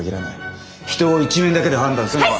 人を一面だけで判断するのは。